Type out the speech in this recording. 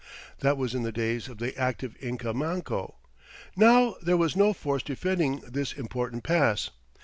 That was in the days of the active Inca Manco. Now there was no force defending this important pass.